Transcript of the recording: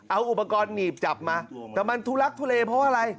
เอาอุปกรณ์นีบจับมาแต่มันทุลักษณ์ทุเลเมื่ออะไร